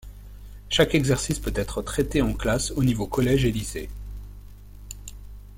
Chaque exercice peut être traité en classe, au niveau collège et lycée.